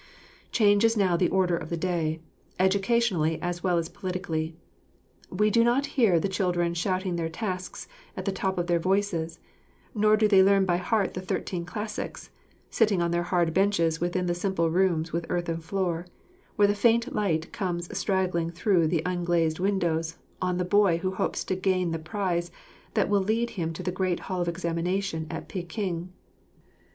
Change is now the order of the day, educationally as well as politically. We do not hear the children shouting their tasks at the top of their voices, nor do they learn by heart the thirteen classics, sitting on their hard benches within the simple rooms with earthen floor, where the faint light comes straggling through the unglazed windows on the boy who hopes to gain the prize that will lead him to the great Halls of Examination at Peking.